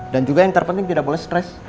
dan juga yang terpenting tidak boleh stres